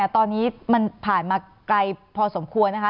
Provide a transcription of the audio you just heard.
ตอนนี้มันผ่านมาไกลพอสมควรนะคะ